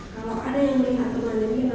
kalau ada yang melihat teman mirna